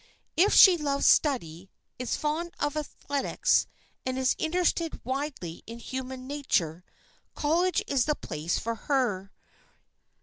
If she loves study, is fond of athletics and is interested widely in human nature, college is the place for her.